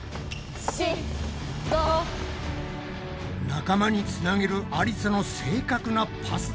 仲間につなげるありさの正確なパス。